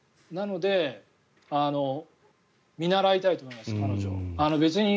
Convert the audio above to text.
なので、見習いたいと思います。